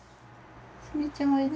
すみちゃんおいで。